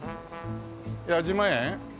「矢島園」。